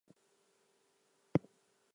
But is it really a bear?